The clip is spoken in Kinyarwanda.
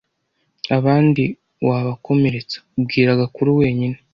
abandi wabakomeretsa bwira gakuru wenyine